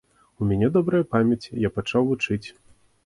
У мяне добрая памяць, я пачаў вучыць.